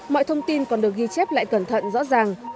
mọi thông tin còn được ghi chép lại cẩn thận rõ ràng